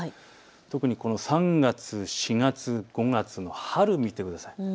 特に３月、４月、５月の春を見てください。